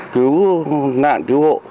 cứu nạn cứu hộ